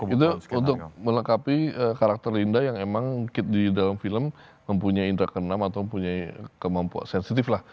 itu untuk melengkapi karakter linda yang emang di dalam film mempunyai indra ke enam atau mempunyai kemampuan sensitif lah